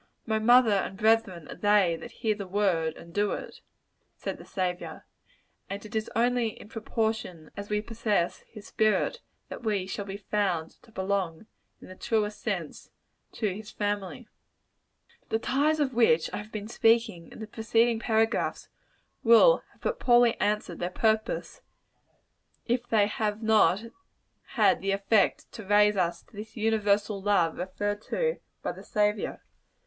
"My mother and brethren are they that hear the word of God and do it," said the Saviour; and it is only in proportion as we possess his spirit, that we shall be found to belong, in the truest sense, to his family. The ties of which I have been speaking, in the preceding paragraphs, will have but poorly answered their purpose, if they have not had the effect to raise us to this universal love referred to by the Saviour.